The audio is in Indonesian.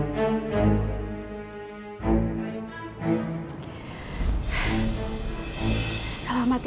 jangan lupa langsung dari sini